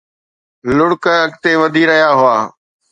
لڙڪ اڳتي وڌي رهيا هئا